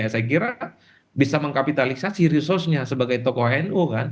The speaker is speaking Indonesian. saya kira bisa mengkapitalisasi resursnya sebagai tokoh anu